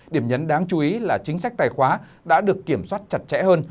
điểm nhấn đáng chú ý là chính sách tài khóa đã được kiểm soát chặt chẽ hơn